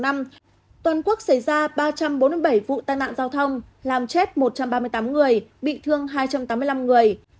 toàn quốc xảy ra ba trăm bốn mươi bảy vụ tai nạn giao thông làm chết một trăm ba mươi tám người bị thương hai trăm tám mươi năm người